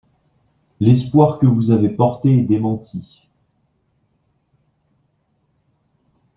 L’espoir que vous avez porté est démenti.